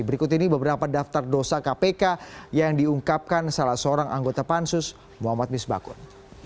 berikut ini beberapa daftar dosa kpk yang diungkapkan salah seorang anggota pansus muhammad misbakun